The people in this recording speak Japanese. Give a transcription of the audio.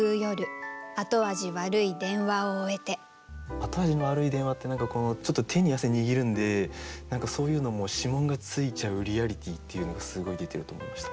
後味の悪い電話って何かちょっと手に汗握るんで何かそういうのも指紋がついちゃうリアリティーっていうのがすごい出てると思いました。